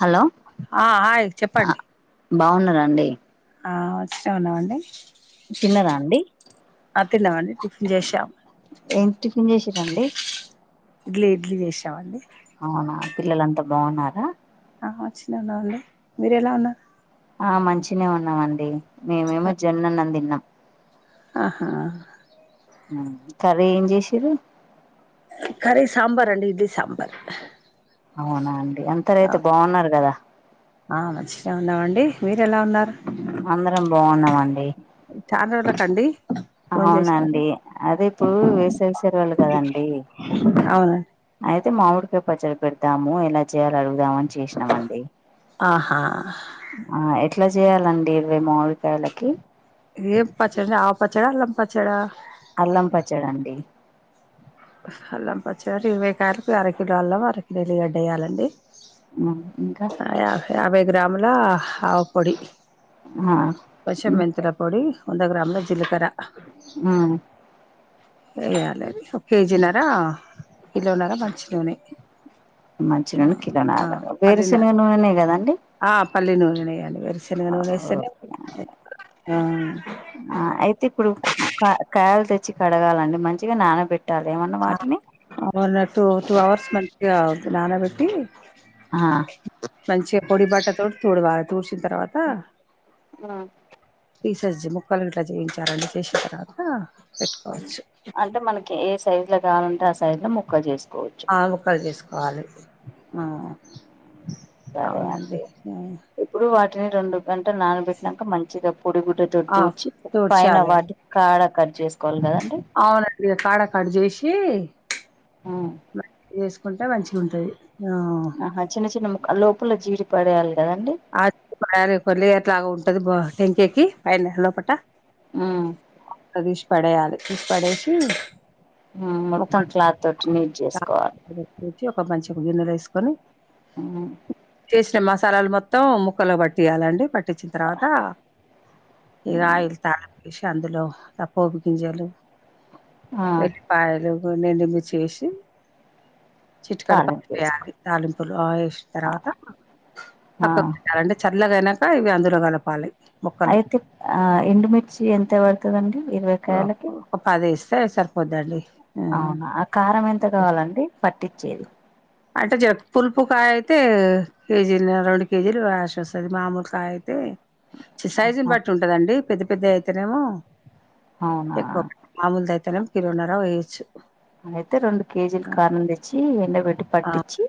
Hello ఆ hi ఆ చెప్పండి బాగున్నార అండి ఆ ఉరికినే ఉన్నామ్ అండి తిన్నరా అండి ఆ తిన్నామ్ అండి టిఫిన్ చేశాం ఏం టిఫిన్ చేసిర్రు అండి ఇడ్లీ ఇడ్లీ చేశాం అండి అవునా పిల్లలంతా బాగున్నారా ఆ ఉరికినె ఉన్నామ్ అండి మీరు ఎలా ఉన్నారు ఆ మంచినే ఉన్నాం అండి మేమేమో జొన్న అన్నం తిన్నాం ఆహా కర్రీ ఏం జేసిర్రు కర్రీ సాంబార్ అండి ఇడ్లీ సాంబర్ అవునా అండి అంతర్ అయితే బాగున్నారు కదా ఆ మంచి [unintelligible] ఉన్నామండి మీరేలా ఉన్నారు అందరం బాగున్నామండి చాన రోజులకండి ఫోన్ చేశారు ఆవునండి అదే ఇప్పుడు వేసవి సెలవులు కదండి అవునండి అయితే మామిడికాయ పచ్చడి పెడతాము ఎలా చేయాలి అడుగుదామని చే సినమండి ఆహా ఆ ఎట్ల జేయాలండి ఇరవై మాముడుకాయలకి ఏం పచ్చడీ ఆవు పచ్చడా అల్లం పచ్చడా అల్లం పచ్చడండి అల్లం పచ్చడంటె ఇరవై కాయలకు అరకిలో అల్లం అరకిలో ఎల్లిగడ్డ వెయ్యాలండి హుమ్ ఇంక యా యాభై గ్రాముల ఆవు పొడి ఆ కొంచం మెంతుల పొడి వంద గ్రాముల జిలకర ఆ వేయ్యాలె ఒక కేజీ నర కిలోనర మంచినూనె మంచి నుూనె కిలో నర వేర శనగ నూననే కదండి ఆ పల్లి నూనె నె ఎయ్యాలి వెరుసెనగ నూనేస్తె నే ఆ అయితే ఇప్పుడు కా కాయలు తెచ్చి కడగాలండి మంచిగా నానబె పెట్టల ఏమన్న వాటిని అవున టూ టూ అవర్స్ మంచిగా నానబెట్టి ఆ మంచిగ పొడి బట్ట తోని తోడవాలి తూడ్చిన తర్వాత ఆ [unintelligible] ముక్కలు ఇట్లా చేయించారని చేసిన తర్వాత పెట్టుకోవచ్చు అంటే మనకి ఏ సైజ్ లో కావాలంటే ఆ సైజ్ లో ముక్కలు చేసుకోవచ్చు ముక్కల్ జేసుకోవాలి ఆ సరే అండి అవునండి ఇప్పుడు వాటిని రొండు గంట నానబెట్టినంక మంచిగా పొడి గుడ్డ తోటి ఆ తూడ్చి పైన తోడ్చాలండి వాటి కాడ కట్ చేసుకోవాలి కదండి అవునండి కాడ కట్ జేసి కుంటె మంచిగుంటది ఆ అహ చిన్న చిన్న ముక్క లోపల జీడి పడేయాలి కదండి ఆయ క [unintelligible] ఉంటది టెంకాయకి పైన లోపట తొక్క తీసి పడేయాలి తీసి పడేషి ఆ మొత్తం క్లాత్ తోటి నీట్ చేసుకోవ చి ఒక మంచి ఒక గిన్నెలేసుకొని ఆ చేసిన మసాలాలు మొత్తం ముక్కలకు పట్టియాలండి ప టిచ్చిన తర్వాత ఇగ ఆయిల్ త ఇష్ అందులో ప్పోప్ గింజలు ఆ పాయలు గొన్ని ఎండుమిర్చేసి చిట్కడు తాలింపు వేసుకో పసుపేయాలి తాలింపులు ఆ ఏషిన్ తర్వాత ఆ పక్కకు పెట్టాలండి చల్లగైనంక ఇవి అందులో కలపాలి ముక్కలు అయితే ఆ ఎండుమిర్చి ఎంత పడుతదండి ఇరవై ఓ కాయలకి ఒక పది ఎస్తే సరిపోతాది అవునా ఆ కారం ఎంత కావాలండి పట్టిచ్చేది అంటె జె పులుపు కాయ అయితే కేజీలు రెండు కేజీలు రాషోస్తది మామూలుకాయ అయితే చి సైజును బట్టి ఉంటదండి పెద్ద పెద్ద అయితేనేమో అవునా ఎక్కువ మామూలు దైతెనేం కిలోన్నర వెయొచ్చు అయితె రెండు కేజీలు కారం తెచ్చి ఎండబెట్టి ఆ పట్టిచి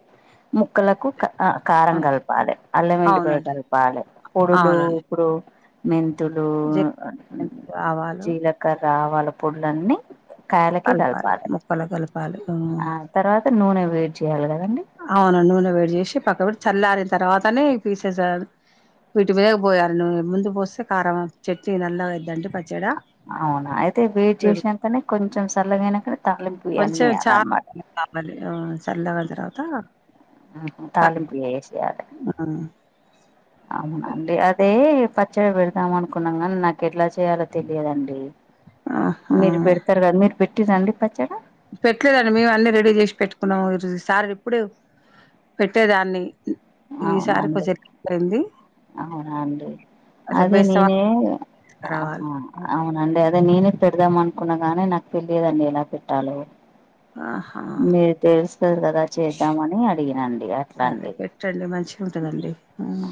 ముక్కలకు క ఆ కారం ఆ! గలపాలె అల్లం ఎల్లిపాయ అవునండి గలపాలె పొడులు అవునండి ఇప్పుడు మెంతులు అ జీలకర్ర, ఆవాలు జీలకర్ర ఆవాల పొడులన్నీ కలపాలి ముక్కలకు కలపాలి ఉమ్ ఆ తర్వాత నూనె వేడ్ చేయాలి కదండి అవునండి నూనె వేడి జేషి పక్కకు పెటి చల్లారిన తర్వాతనే పీసేస్ ఎయాలి వీటి మీదగ పోయాలి నూనె ముందు పోస్తే కారం చెట్ని నల్ల గైద్దండి పచ్చడా అవునా అయితే వేడ్ వేడి చేషినంకనే కొంచెం సల్లగైనంకనే తాలింపు ఇయ్యన్నీ ఎయ్యాలి అనమాట మళ్లీ ఆ సల్లగైన తర్వాత ఉమ్ హు కలుపు తాలింపు ఏషెయాలి ఆ అవునండి అదే పచ్చడి పేడుదాం అనుకున్నం గనీ నాకు ఎట్ల చేయాలో తెలియదండి ఆహా మీరు పెడతరు గద మీరు పెట్టిరా అండి పచ్చడ పెట్లేదండి మేమే అన్నీ రెడీ చేషి పెట్టుకున్నం ఇ జ్ ఈ సార్ ఇప్పుడు పెట్టేదాన్ని ఈసారి అవునండి కొంచెం లేట్ అయింది అవునండి రేపు అదే బేస్తవా నెనే అహ రావాలి అవునండి అదే నేనే పెడుదాం అనుకున్నా గానీ నాకు తిలియడండి ఎలా పెట్టాలో ఆహ మీరు తెలుస్తది గదా చేద్దామని అడిగినండి అ అదే పెట్టండి మంచి గుంటదండి ఉమ్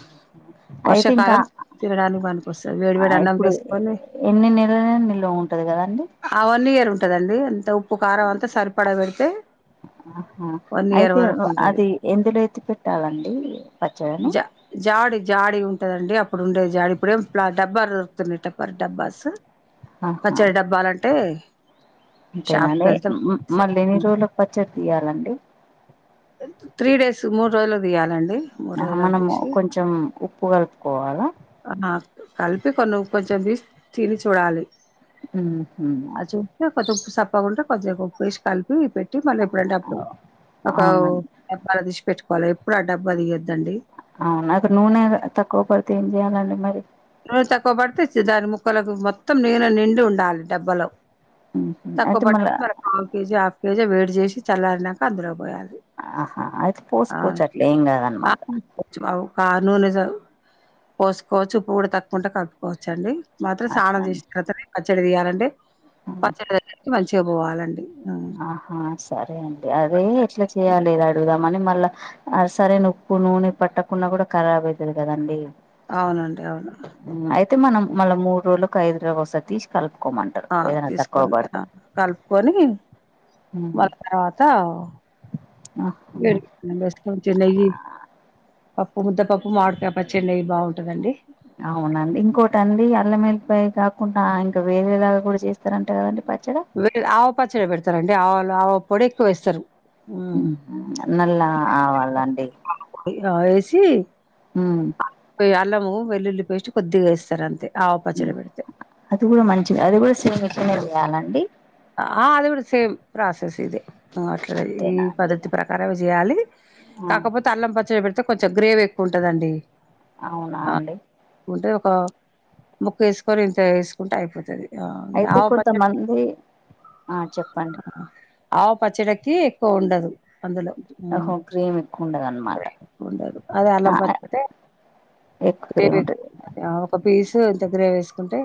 అయితే ఇంకా వర్షాకాలం తినడానికి పని ఆ ఇప్పుడు ఎన్ని నెలలైన నిలువ ఉంటది గదండి ఆ వన్ ఇయర్ ఉంటదండి అంత ఉప్పు కారం అంత సరిపడ పేడితే ఆహ అయితే ఒ అది ఎందులో అయితే ఎత్తి పెట్టాలండి పచ్చడిని జ జాడి జాడి ఉంటదండి అప్పుడు ఉండేది జాడి ఇప్పుడేం ప్ల డబ్బా దొరుకుతున్నయ్ టప్పర్ డబ్బాస్ ఆహా పచ్చడి డబ్బాలంటే అంతేనా షాప్కి అండి వెళ్తే మ్ మ్ మళ్ళ ఎన్ని రోజులకు పచ్చడి తీయాలండి త్రీ డేస్ స్ మూడు రోజులకి తీయాలండి మూడు ఆహా రోజులకు మనము తీశి కొంచెం ఉప్పు కలుపుకోవాలా అఆ కలిపి కొన్ని కొంచెం తీసి తిని చూడాలి ఉహు ఆ చు చుస్ కొద్ది ఉప్పు సప్పగుంటే కొంచెం ఉప్పు ఎసి కలిపి పెట్టి మళ్ళీ ఎప్పుడంటే అప్పుడు అవు అవునండి డబ్బాలా దిషి పెట్టుకోవాలి ఎప్పుడు ఆ డబ్బా దియొదండి అవునా అయితె నూనె ఆ తక్కువ పడితే ఏం చెయాలండి మరి నూనె తక్కువ పడితే చి దాని ముక్కలకు మొత్తం నూనె నిండి ఉండాలి డబ్బలో ఉహు తక్కువ అయితే మళ్ళా పడ్డప్పుడు మరి కాల్ కేజీ హాఫ్ కేజీ వేడి చేసి చల్లారినంక అందులో పోయాలి ఆహా అయితే పోసుకోవచ్చు అట్ల ఏం గాదనమాట చ్చిమవు కార్ నూనె స పోసుకోవచ్చు ఉప్పు గూడ తక్కుంటే కలుపుకోవచ్చు అండి మాత్రం స్నానం అట్లా చేషిన తర్వాతనే పచ్చడి తీయాలండి ఆ పచ్చడి దెగ్గరికి మంచిగ పోవాలండి హ్మ్. ఆహా సరే అండి అదే ఎట్ల చేయాలి అది అడుగుదామని మళ్ళ ఆ సరైన ఉప్పు నూనె పట్టకున్నా గూడ ఖరాబ్ అయితది కదండి అవునండి అవును అయితే మనం మళ్ళ మూడు రోజులకు ఒక ఐదు రోజులకొసారి తీషి కలుపుకోమంటడు ఆ ఏదైన తక్కువ తీసుకోండి పడితే ఆ! కలుపుకొని హ్మ్. మళ్ళ తర్వాత ఆహా! వేడి నెక్స్ట్ కొంచెం నెయ్యి పప్పు ముద్దపప్పు మాడికాయ్ పచ్చడి నెయ్యి బావుంటదండి అవునండి ఇంకోటి అండి అల్లం ఎల్లిపాయ కాకుండా అ ఇంక వేరేలాగా గూడ చేస్తారంట గదండి పచ్చడ లేదు ఆవ పచ్చడి పెడతరండి ఆవలు ఆవ పొడి ఎక్కువేస్తరు ఉహు నల్ల ఆవాలు అండి ఇగ ఎసి మ్ ఇగ అల్లము వెల్లుల్లి పేస్ట్ కొద్దిగా వేస్తారు అంతే ఆవ హ్మ్. పచ్చడి పెడితే అది కూడా మంచిది అది కూడా సేమ్ ఇట్లనే చేయాల అండి ఆ అది గుడా సేమ్ ప్రాసెస్ ఇదే అ అట్లాదే ఈ అంతేనా అండి పద్ధతి ప్రకారమే చేయాలి ఆ! కాకపోతే అల్లం పచ్చడి పెడిత్ కొంచం గ్రేవీ ఎక్కువ ఉంటది అండి అవునా అండి గుంటే ఒక ముక్క వేసుకొని ఇంత వేసుకుంటే అయిపోతది ఆ అయితే ఆవ పచ్చడి కొంతమంది ఆ చెప్పండి ఆవ్ పచ్చడకి ఎక్కువ ఉండదు అందులో మ్ ఓహో క్రీమ్ ఎక్కువ ఉండదన్నమాట ఉండదు అదే అల్లం పచ్చడి అయితే ఏక్ ఫ్రీ ఉంటది ఆ ఒక పీసు ఇంత గ్రేవీ వేసుకుంటే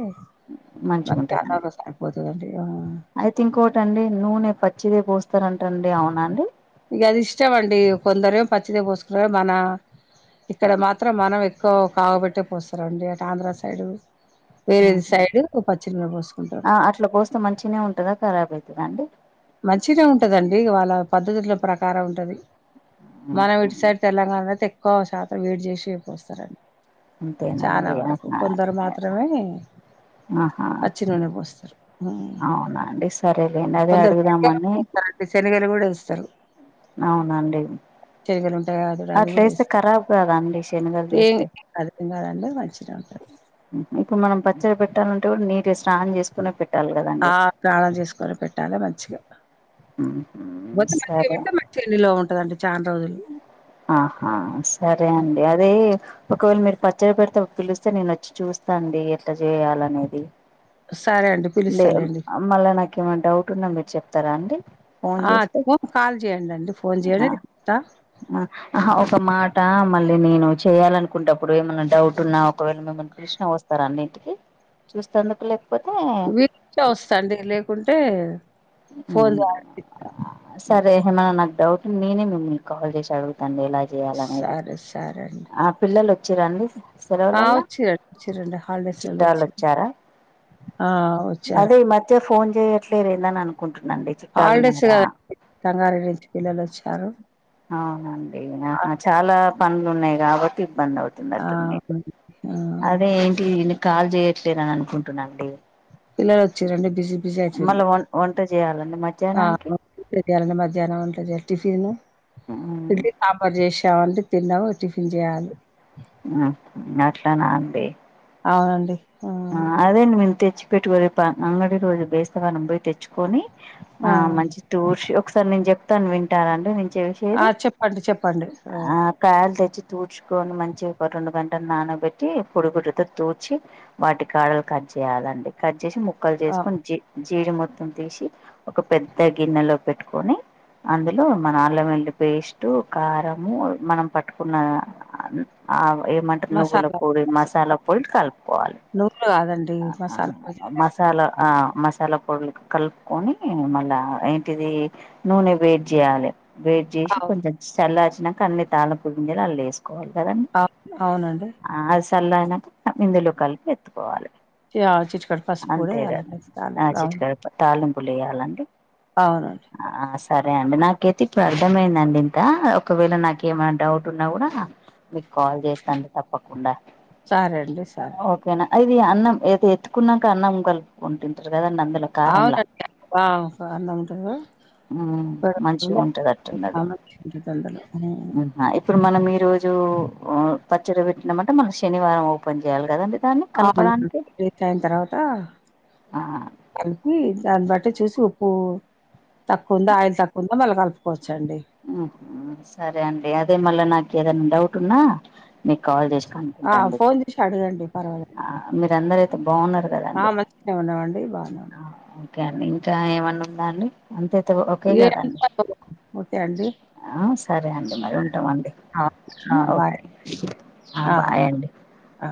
మంచిగా ఉంటది అన్ పోతది అంటివి గ అయిత్ ఇంకోటి అండి నూనె పచ్చిదే పోస్తారంట అండి అవునా అండి ఇగ అది ఇష్టం అండి కొందరేం పచ్చిదె పోసుకురు మన ఇక్కడ మాత్రం మనం ఎక్కువ కాగబెట్టే పోస్తరు అండి అటు ఆంధ్ర సైడు వేరేది సైడ్ పచ్చి నూనె పోసుకుంటరు ఇట్ల పోస్తే మంచిగానే ఉంటదా కరాబ్ అయితదా అండి మంచిగానే ఉంటది అండి వాళ్ళ పద్ధతుల ప్రకారం ఉంటది మనం ఆహా. ఇటు సైడ్ తెలంగాణ అయితే ఎక్కువ శాతం వేడి చేసే పోస్తారు అండి అంతేనా చానా అండి వరకు ఆహా కొందరు మాత్రమే ఆహా పచ్చి నూనె పోస్తరు అవునా అండి సరేలేండి అదే కొందరు అడుగుదామని [unintelligible] శనగలు గుడేస్తారు అవునండి చెరిగలు ఉంటాయి అదుడ అది అట్లా వేస్తే గుడేస్తరు ఖరాబ్ కాదా అండి శనగలు వేస్తే అదేం కదండీ మంచిగానే ఉంటాయి ఇప్పుడు మనం పచ్చడి పెట్టాలంటే గుడా నీటిగా స్నానం చేసుకునే పెట్టాలి కదా అండి స్నానాలు చేసుకొనె పెట్టాలే మంచిగా ఉంహు సరే చేనిలో ఉంటది అండి చాన్ రోజులు ఆహా సరే అండి అదే ఒకవేళ మీరు పచ్చడి పెడితే పిలిస్తే నేను వొచ్చి చూస్తా అండి ఎట్ల చేయాల అనేది సరే అండి లే పిలుస్తాలేండి మళ్ళ నాకు ఏమైనా డౌట్ ఉన్నా మీరు చెప్తారా అండి ఫోన్ ఆ చేస్తే ఫోన్ కాల్ చేయండి అండి ఫోన్ చేయండి ఆ నేను చెప్తా ఆ ఆహ ఒక మాట మళ్ళీ నేను చెయాలి అనుకుంటప్పుడు ఏమన్న డౌట్ ఉన్నా ఒకవేళ మిమ్మల్ని కృష్ణ వస్తార అండి ఇంటికి చూస్తేందుకు లేకపోతే వస్తె వస్తంది లేకుంటే ఫోన్ అవును ద్వారా చెప్తా సరే హిమా నాకు డౌట్ ఉంది నేనే కాల్ చేసి మిమ్మల్ని అడుగుతా అండి ఎలా చేయాల అనేది సరే సరే అండి ఆ పిల్లలు వచ్చిరా అండి ఆ సెలవులల్ల వచ్చిరండి వచ్చిరండి హాలిడేస్లలో చుట్టాలు వచ్చి వచ్చారా ఆ వచ్చారు అదే ఈ మధ్య ఫోన్ చేయట్లేదు ఏందని అనుకున్న హాలిడేస్ కదండి సంగారెడి నుంచి పిల్లలు వచ్చారు అవునండి ఆ ఆహా చాలా పనులు ఉన్నాయి కాబట్టి ఇబ్బంది అవుతుంది నటుంది అవునండి. ఆ అదే ఏంటి ఈయన కాల్ చేయట్లేదని అనుకుంటున్నాండి పిల్లలు వచ్చిరండి బిజీ బిజీ మళ్ళీ అయితుంది వం వంట చేయాలండి మధ్యాహ్నానికి పాపం కూర చేయాలంటే [unintelligible] మధ్యాహ్నం ఉంటది టిఫిన్ ఆమ్ ఆఫర్ చేసావంటే తిన్నాము టిఫిన్ చేయాలి ఆ హా అట్ల నా అండి అవునండి ఆ అదేండి మేము తెచ్చి పెట్టుకో రేపు అంగడి రోజు బేస్తవారం పోయి తెచ్చుకొని ఆ మంచి టూర్స్ ఒకసారి నేను చెప్తాను వింటారండి నేను చేసి ఆ చెప్పండి చెప్పండి కాయలు తెచ్చి తూడ్చుకొని మంచి ఒక రెండు గంటలు నానబెట్టి పొడిగుడ్డతో తూడ్చి వాటి కాడలు కట్ చేయ్యాలండి కట్ చేసి ముక్కలు ఆ చేసుకొని జి జీడి మొత్తం తీసి ఒక పెద్ద గిన్నెలో పెట్టుకొని అందులో మన అల్లం వెల్లుల్లి పేస్టు కారము మనం పట్టుకున్న ఆ ఏమంటరు నువ్వుల మసాలా పొడి మసాలా పొడి కలుపుకోవాలి నువ్వులు కాదండి మసాలా పొడి ఆ మసాలా ఆ మసాలా పొడులు కలుపుకొని మళ్ళా ఏంటిది నూనె వేడి జెయాలి వే చేసి అవు కొంచెం చల్లర్చినాక అన్ని తాలంపు గింజలు అందులో వేసుకోవాలి కదండి అవు అవునండి ఆ అది చల్లరినాకా ఇందులో కలిపి ఎత్తుకోవాలి చిటి కేడు పసుపు పొడి వేయాలాండి [unintelligible] తాలింపులో వెయ్యాలండి అవునండి ఆ సరే అండి నాకైతే ఇట్ల అర్థమైందండి ఇంకా ఒకవేళ నాకు ఏమైనా డౌట్ ఉన్నా కూడా మీకు కాల్ చేస్తాను అండి తప్పకుండా సరే అండి సరే ఓకేనా అది అన్నం అయితే ఎత్తుకున్నాక అన్నం కలుపుకొని తింటారు కదాండి అందులో కారంలా అవునక్క ఆ ఆ అన్నం ఉమ్ మంచిగా ఉంటాది అట్టు ఆ! ఉన్నది మంచిగుంటది అందులో. హ్మ్. అది ఇప్పుడు మనం ఈ రోజు ఉ పచ్చడి పెట్టినమంటే మనం శనివారం ఓపెన్ చేయాలి కదండి దాన్ని అవును కలపడానికి రీచ్ అయిన తర్వాత ఆ కలిపి దాన్ని బట్టి చూసి ఉప్పు తక్కువ ఉందా ఆయిల్ తక్కువ ఉందా మళ్ళ కలుపుకోవచ్చండి ఉహు సరే అండి అదే మళ్ళా నాకి ఏదన్నా డౌట్ ఉన్నా మీకి కాల్ చేసి ఆ కనుకుంటాండి ఫోన్ చేసి అడగండి పర్వాలేదు ఆ మీరు అందరయితే బాన్నారు కదండి నే ఉన్నామండి బానే ఉన్నా ఆ ఓకే అండి ఇంకా ఏమన్నా ఉందా అండి అంతయితే ఉ ఓకే కదండి ఓకే అండి ఆ సరే అండి మరి ఉంటామండి ఆ ఆ ఓకే ఆ బాయ్ అండి ఆ